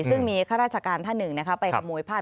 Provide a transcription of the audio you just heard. ซึ่งมีข้าราชการท่านหนึ่งไปขโมยผ้า